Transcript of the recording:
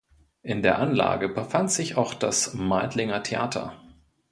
In der Anlage befand sich auch das "Meidlinger Theater".